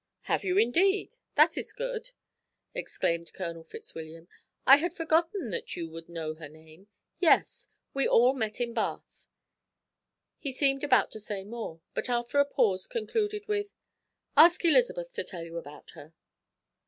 "Have you indeed? That is good," exclaimed Colonel Fitzwilliam. "I had forgotten that you would know her name. Yes, we all met in Bath." He seemed about to say more, but after a pause concluded with: "Ask Elizabeth to tell you about her."